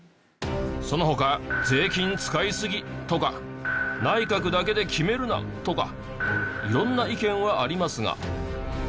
その他税金使いすぎ！とか内閣だけで決めるな！とか色んな意見はありますが。